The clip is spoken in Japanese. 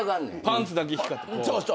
パンツだけ光ってこう。